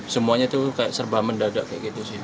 semuanya tuh kayak serbaman dada kayak gitu sih